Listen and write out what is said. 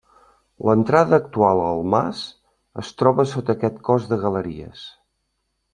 L'entrada actual al mas es troba sota aquest cos de galeries.